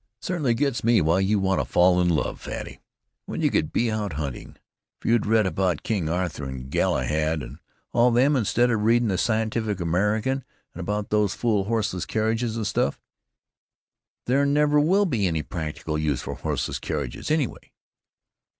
It certainly gets me why you want to fall in love, Fatty, when you could go hunting." "If you'd read about King Arthur and Galahad and all them instead of reading the Scientific American, and about these fool horseless carriages and stuff——There never will be any practical use for horseless carriages, anyway."